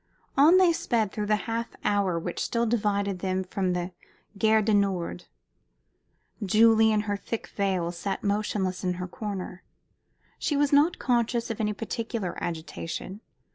On they sped through the half hour which still divided them from the Gare du Nord. Julie, in her thick veil, sat motionless in her corner. She was not conscious of any particular agitation.